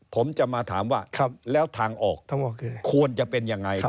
ผมจะมาถามว่าแล้วทางออกควรจะเป็นยังไง